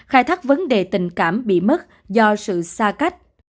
khai thác vấn đề tình cảm bị mất do sự xa cách